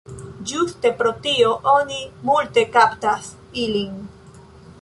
Ĝuste pro tio oni multe kaptas ilin.